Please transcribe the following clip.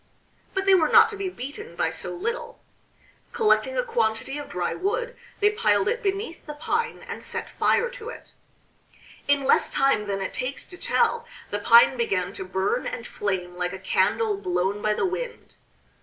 But they were not to be beaten by so little; collecting a quantity of dry wood they piled it beneath the pine and set fire to it. In less time than it takes to tell the pine began to burn and flame like a candle blown by the wind.